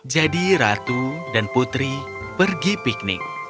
jadi ratu dan putri pergi piknik